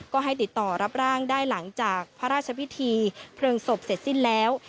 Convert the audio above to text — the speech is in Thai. ก็ให้ติดต่อรับร่างได้หลังจากพระราชพิธีเพลิงศพเสร็จสิ้นแล้ว